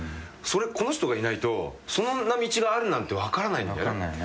この人がいないとそんな道があるなんて分からないんだよね。